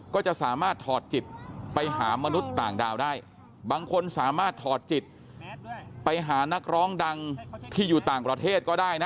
ก็จะสามารถถอดจิตไปหามนุษย์ต่างดาวได้บางคนสามารถถอดจิตไปหานักร้องดังที่อยู่ต่างประเทศก็ได้นะ